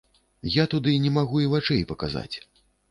Я туды не магу і вачэй паказаць.